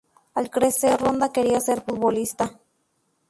Al crecer, Ronda quería ser futbolista.